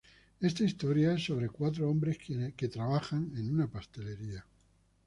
Esta historia es sobre cuatro hombres quienes trabajan en una pastelería.